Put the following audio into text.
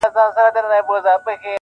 خدای دي درکړۍ عوضونه مومنانو-